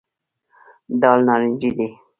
دال نارنجي دي.